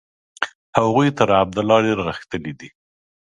هغوی تر عبدالله ډېر غښتلي دي.